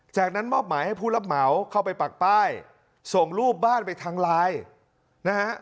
จากนั้นมอบหมายให้ผู้รับเหมาเข้าไปปักป้ายส่งรูปบ้านไปทางไลน์นะฮะ